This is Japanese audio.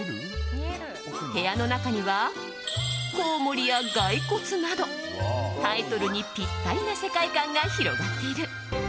部屋の中にはコウモリや骸骨などタイトルにピッタリな世界観が広がっている。